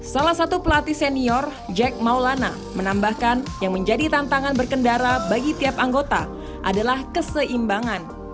salah satu pelatih senior jack maulana menambahkan yang menjadi tantangan berkendara bagi tiap anggota adalah keseimbangan